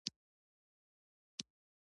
ډک د ستورو مې کچکول و